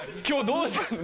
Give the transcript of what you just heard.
今日どうした？